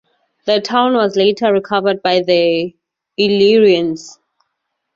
The town was later recovered by the Illyrians.